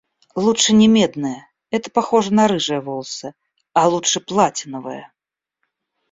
Лучше не медные, это похоже на рыжие волосы, а лучше платиновые.